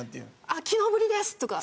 「あっ昨日ぶりです！」とか。